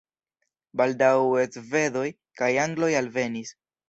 Baldaŭe svedoj kaj angloj alvenis.